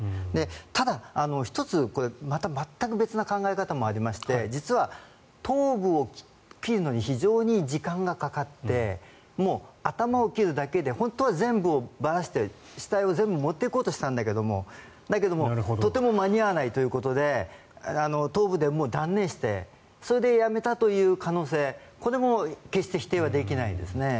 ただ、１つ全く別な考え方もありまして実は頭部を切るのに非常に時間がかかって頭を切るだけで本当は全部をばらして死体を全部持っていこうとしたんだけどもだけどもとても間に合わないということで頭部でもう断念してやめたという可能性これも決して否定はできないですね。